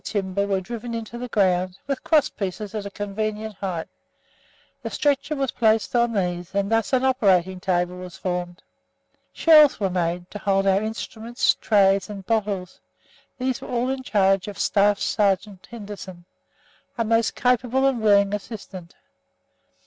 timber were driven into the ground, with crosspieces at a convenient height; the stretcher was placed on these, and thus an operating table was formed. Shelves were made to hold our instruments, trays and bottles; these were all in charge of Staff Sergeant Henderson, a most capable and willing assistant.